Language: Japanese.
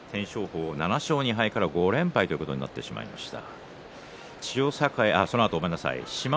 ７勝２敗から５連敗ということになってしまいました。